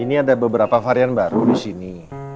ini ada beberapa varian baru disini